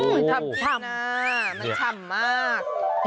โอ้โหชำนะมันชำมาก